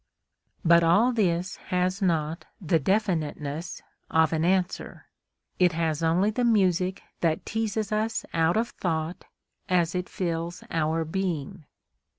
But all this has not the definiteness of an answer; it has only the music that teases us out of thought as it fills our being.